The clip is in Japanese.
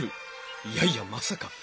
いやいやまさか。